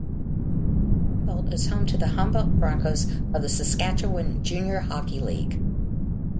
Humboldt is home to the Humboldt Broncos of the Saskatchewan Junior Hockey League.